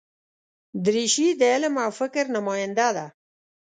دریشي د علم او فکر نماینده ده.